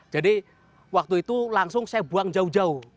jadi waktu itu langsung saya buang jauh jauh